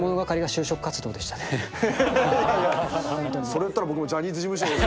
それ言ったら僕もジャニーズ事務所で。